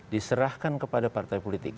diserahkan kepada partai politik